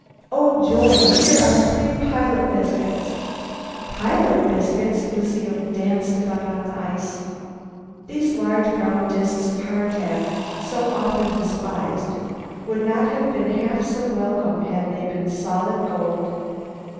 Oh, joy! here are three pilot biscuits!" "Pilot biscuits!" Lucile danced about on the ice. These large brown disks of hardtack, so often despised, would not have been half so welcome had they been solid gold.